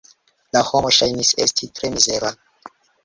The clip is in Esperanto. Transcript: La homo ŝajnis esti tre mizera.